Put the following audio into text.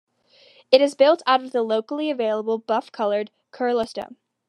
It is built out of the locally available buff coloured Kurla stone.